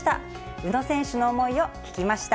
宇野選手の思いを聞きました。